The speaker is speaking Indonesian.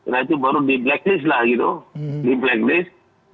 dan itu baru di blacklist lah gitu di blacklist